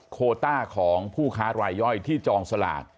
โคต้าของผู้ค้ารายย่อยที่จองสลาก